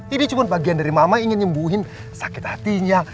ini cuma bagian dari mama ingin nyembuhin sakit hatinya